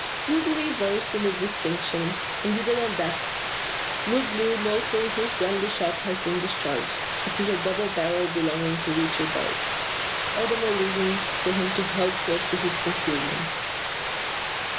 Thoroughly versed in the distinction indeed an adept Blue Bill knows from whose gun the shot has been discharged. It is the double barrel belonging to Richard Darke. All the more reason for him to hug close to his concealment.